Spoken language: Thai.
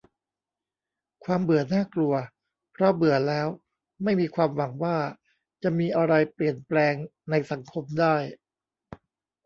"ความเบื่อน่ากลัว เพราะเบื่อแล้วไม่มีความหวังว่าจะมีอะไรเปลี่ยนแปลงในสังคมได้"